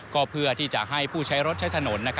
ก็เพื่อที่จะให้ผู้ใช้รถใช้ถนน